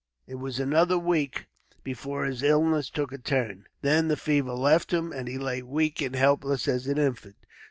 It was another week before his illness took a turn. Then the fever left him, and he lay weak and helpless as an infant.